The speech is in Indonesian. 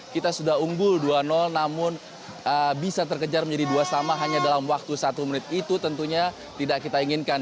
kita sudah unggul dua namun bisa terkejar menjadi dua sama hanya dalam waktu satu menit itu tentunya tidak kita inginkan